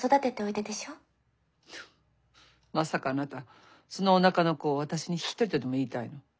まさかあなたそのおなかの子を私に引き取れとでも言いたいの？